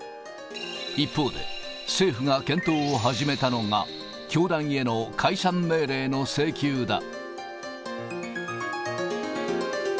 一方で、政府が検討を始めたのが、教団への解散命令の請求だ。